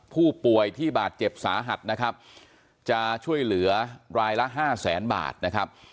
ผู้ป่วยที่บาดเจ็บสาหัสนะครับจะช่วยเหลือรายละห้าแสนบาทนะครับ